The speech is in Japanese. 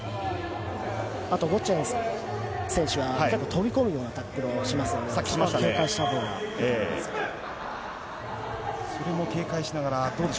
あとゴチェン選手は飛び込むようなタックルをしますので、それを警戒したほうがいいです。